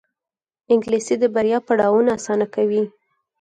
انګلیسي د بریا پړاوونه اسانه کوي